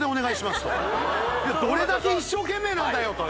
どれだけ一生懸命なんだよと。